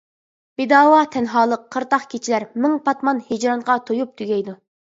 بىداۋا تەنھالىق، قىرتاق كېچىلەر، مىڭ پاتمان ھىجرانغا تويۇپ تۈگەيدۇ.